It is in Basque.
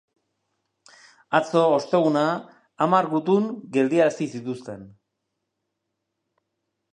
Atzo, osteguna, hamar gutun geldiarazi zituzten.